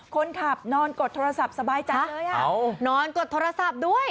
คนขับนอนกดโทรศัพท์สบายใจเลยนอนกดโทรศัพท์ด้วย